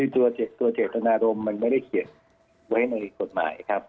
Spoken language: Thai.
ตัวเจตนารมณ์มันไม่ได้เขียนไว้ในกฎหมายครับ